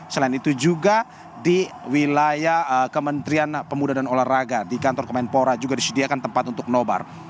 selain itu juga di wilayah kementerian pemuda dan olahraga di kantor kemenpora juga disediakan tempat untuk nobar